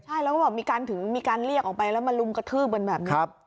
ใช่แล้วก็บอกมีการถือมีการเรียกออกไปแล้วมารุ่มกระทืบ